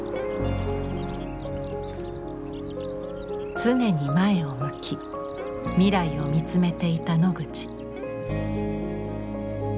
常に前を向き未来を見つめていたノグチ。